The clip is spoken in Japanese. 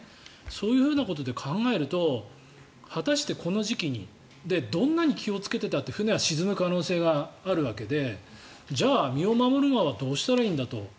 そういうことで考えると果たしてこの時期にどんなに気をつけていたって船は沈む可能性があるわけでじゃあ身を守るのはどうしたらいいんだと。